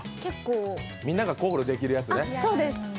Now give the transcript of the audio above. みんながコールできるやつね。